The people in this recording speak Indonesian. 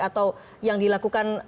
atau yang dilakukan